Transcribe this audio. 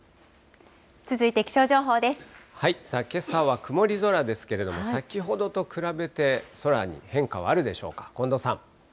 けさは曇り空ですけれども、先ほどと比べて空に変化はあるでしょうか。